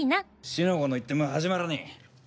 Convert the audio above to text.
四の五の言っても始まらねえ。